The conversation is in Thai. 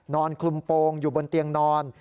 คลุมโปรงอยู่บนเตียงนอน